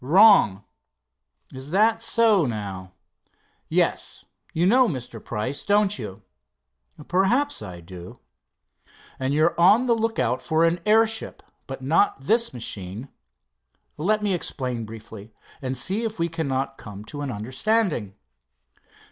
"Wrong." "Is that so, now?" "Yes. You know Mr. Price, don't you?" "Perhaps I do." "And you are on the lookout for an airship, but not this machine. Let me explain briefly, and see if we cannot come to an understanding."